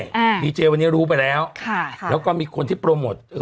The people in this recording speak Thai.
อ่าดีเจวันนี้รู้ไปแล้วค่ะแล้วก็มีคนที่โปรโมทเออ